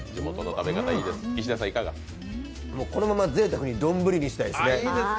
このままぜいたくに丼にしたいですね。